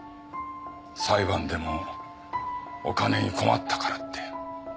裁判でもお金に困ったからって。